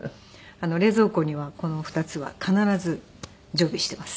冷蔵庫にはこの２つは必ず常備しています。